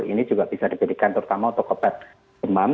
ini juga bisa diberikan terutama untuk obat demam